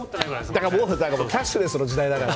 キャッシュレスの時代だから。